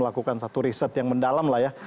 lakukan satu riset yang mendalam lah ya